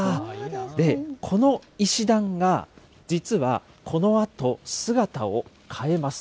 で、この石段が実はこのあと、姿を変えます。